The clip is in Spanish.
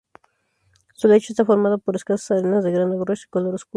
Su lecho está formado por escasas arenas de grano grueso y color oscuro.